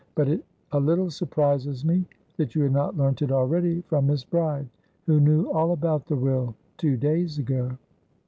But it a little surprises me that you had not learnt it already from Miss Bride, who knew all about the will two days ago."